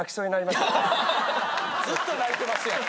ずっと泣いてますやん。